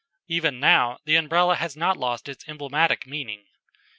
Even now the Umbrella has not lost its emblematic meaning.